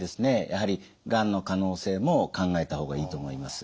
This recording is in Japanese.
やはりがんの可能性も考えた方がいいと思います。